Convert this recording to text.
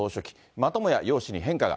またもや容姿に変化が。